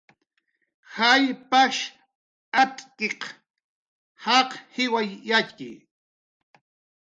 Jall pajsh atz'kiq jaq jiway yatxki